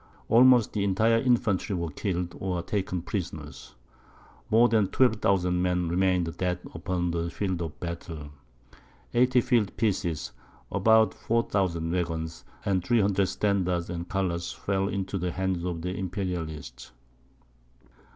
Almost the entire infantry were killed or taken prisoners. More than 12,000 men remained dead upon the field of battle; 80 field pieces, about 4,000 waggons, and 300 standards and colours fell into the hands of the Imperialists.